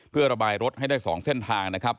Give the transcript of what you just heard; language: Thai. เพื่อระบายรถให้ได้๒เส้นทางนะครับ